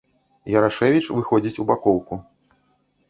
Ярашэвіч выходзіць у бакоўку.